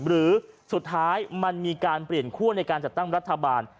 หรือสุดท้ายมันมีการเปลี่ยนคั่วในการจัดตั้งรัฐบาล